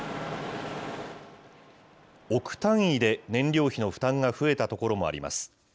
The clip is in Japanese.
億単位で燃料費の負担が増えたところもあります。